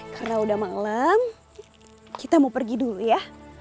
karena udah malam kita mau pergi dulu ya